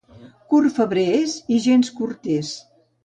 Curt febrer és i gens cortés.